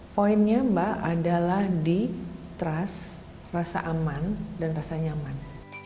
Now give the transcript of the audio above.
poinnya mbak adalah di trust rasa aman dan rasa nyaman